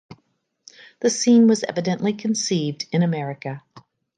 The scene was evidently conceived in America.